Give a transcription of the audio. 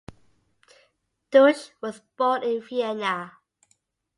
Deutsch was born in Vienna.